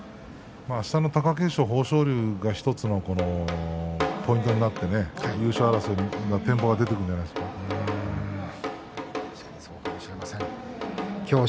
あしたの貴景勝、豊昇龍が１つポイントになって優勝争いの展望になってくるんじゃないでしょうか。